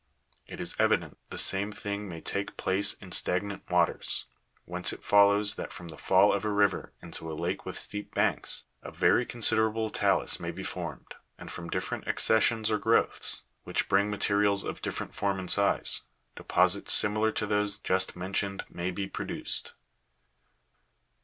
It is evident the same thing may take place in stagnant waters ; whence it fol lows that from the fall of a river _.~ ir into a lake with steep banks, a 216. 7W. from fatting. very considerable ta'lus may be formed, and from different acces sions or growths, which bring materials of different form and size, deposits similar to those just mentioned may be produced.